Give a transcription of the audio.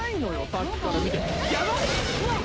さっきから見てやばっ！